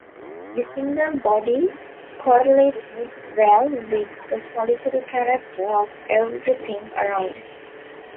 The single body correlated well with the solitary character of everything around.